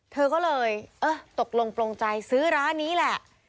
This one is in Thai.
เธอก็เลยเออตกลงปลงใจซื้อร้านนี้แหละ